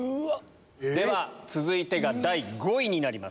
では続いてが第５位になります。